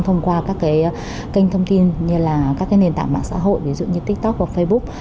thông qua các kênh thông tin như là các nền tảng mạng xã hội ví dụ như tiktok hoặc facebook